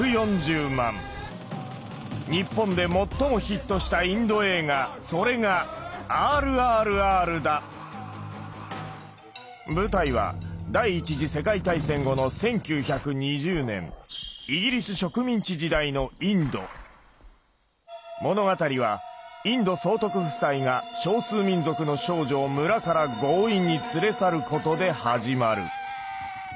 日本で最もヒットしたインド映画それが舞台は第１次世界大戦後の１９２０年物語はインド総督夫妻が少数民族の少女を村から強引に連れ去ることで始まる。